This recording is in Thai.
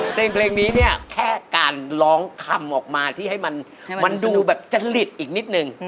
เพลงนี้เนี่ยแค่การร้องคำออกมาที่ให้มันดูแบบจริตอีกนิดนึง